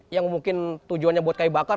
yang mungkin tujuannya buat kayu bakar